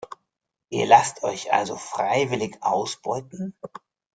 Ihr lasst euch also freiwillig ausbeuten?